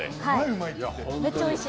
めっちゃおいしい。